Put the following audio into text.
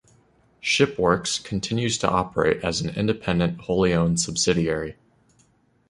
ShipWorks continues to operate as an independent, wholly owned subsidiary.